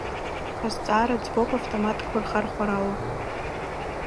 Азҵаара ӡбоуп автоматқәа рхархәарала.